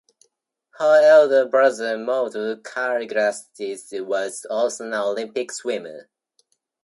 Her elder brother Mauro Calligaris was also an Olympic swimmer.